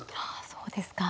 そうですか。